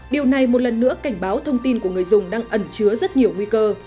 điều này một lần nữa cảnh báo thông tin của người dùng đang ẩn chứa rất nhiều nguy cơ